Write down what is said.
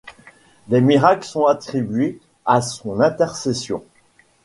Des miracles sont attribués à son intercession.